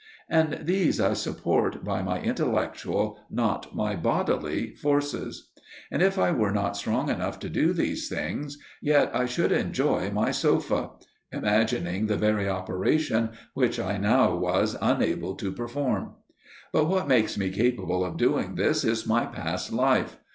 And these I support by my intellectual, not my bodily forces. And if I were not strong enough to do these things, yet I should enjoy my sofa imagining the very operations which I was now unable to perform. But what makes me capable of doing this is my past life.